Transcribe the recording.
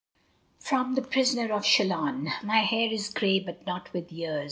FROM 'THE PRISONER OF CHILLON' My hair is gray, but not with years.